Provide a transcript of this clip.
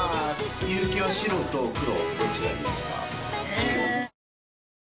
白と黒どっちがいいですか？